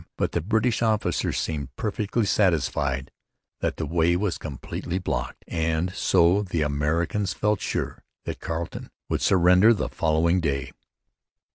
But the British officer seemed perfectly satisfied that the way was completely blocked; and so the Americans felt sure that Carleton would surrender the following day.